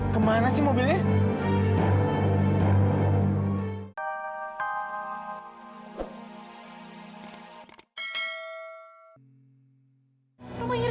kemana sih mobilnya